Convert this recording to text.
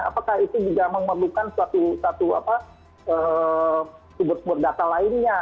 apakah itu juga memerlukan suatu sumber sumber data lainnya